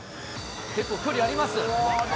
結構距離あります。